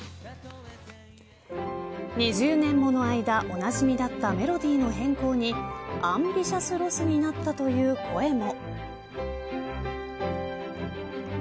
２０年もの間おなじみだったメロディーの変更にアンビシャスロスになったという声も。